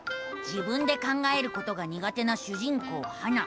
自分で考えることがにが手な主人公ハナ。